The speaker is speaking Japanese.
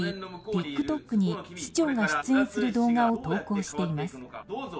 ＴｉｋＴｏｋに市長が出演する動画を投稿しています。